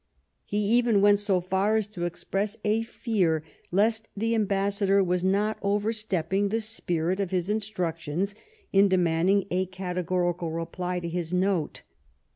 lie even went so far as to express a tear lest the ambassador was not overstepping the spirit of" his instructions in demanding a categorical reply to his note.